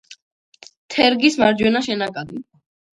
თერგის მარჯვენა შენაკადი.